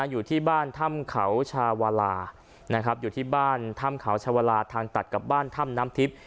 อยู่ที่บ้านถ้ำเขาชาวาลาอยู่ที่บ้านถ้ำเขาชาวลาทางตัดกับบ้านถ้ำน้ำทิพย์